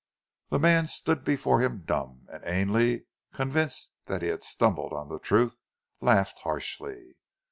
The man stood before him dumb, and Ainley, convinced that he had stumbled on the truth, laughed harshly.